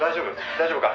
大丈夫か？」